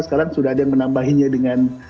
sekarang sudah ada yang menambahinnya dengan